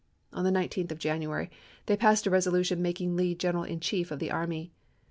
On the 19th of January they passed a reso 1865. lution making Lee general in chief of the army.